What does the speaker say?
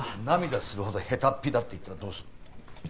涙するほど下手っぴだって言ったらどうする？